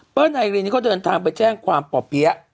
เปิ้ลไอโอรีนก็เดินทางไปแจ้งความป่อเปี๊ะ